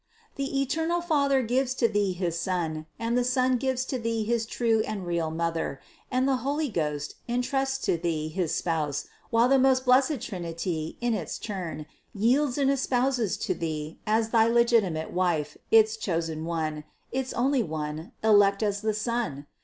The eternal Father gives to Thee his Son, and the Son gives to thee his true and real Mother, and the Holy Ghost entrusts to thee his Spouse, while the whole blessed Trinity in its turn yields and espouses to thee as thy legitimate wife its chosen One, its only One, elect as the sun?